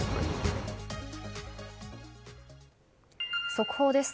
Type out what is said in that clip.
速報です。